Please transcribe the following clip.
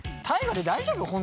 大我で大丈夫？